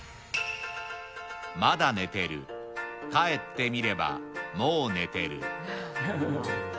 まだ寝てる帰ってみればもう寝てる。